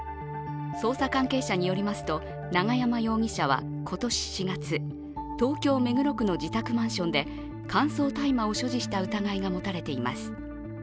捜査関係者によりますと、永山容疑者は今年４月、東京・目黒区の自宅マンションで乾燥大麻を所持した疑いが持たれています。